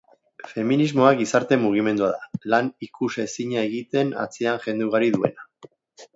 Feminismoa gizarte mugimendua da, lan ikusezina egiten atzean jende ugari duena.